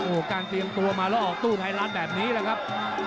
โอ้โหการเตรียมตัวมาแล้วออกตู้ไทยรัฐแบบนี้แหละครับ